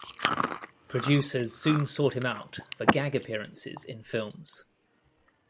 Producers soon sought him out for gag appearances in films.